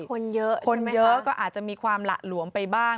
คนเยอะคนเยอะก็อาจจะมีความหละหลวมไปบ้าง